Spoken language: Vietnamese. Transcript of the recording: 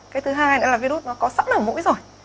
cái thứ hai nữa là virus nó có sẵn ở mũi rồi